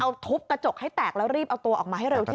เอาทุบกระจกให้แตกแล้วรีบเอาตัวออกมาให้เร็วที่สุด